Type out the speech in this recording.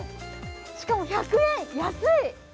しかも１００円、安い！